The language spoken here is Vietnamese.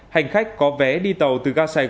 hành khách có vé đi tàu từ ga sài gòn